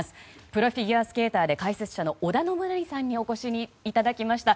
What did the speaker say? プロフィギュアスケーターで解説者の織田信成さんにお越しいただきました。